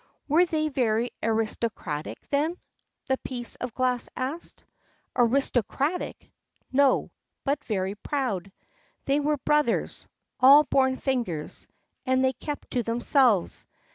"Were they very aristocratic, then?" the piece of glass asked. "Aristocratic? No; but very proud. They were brothers, all born fingers, and they kept to themselves.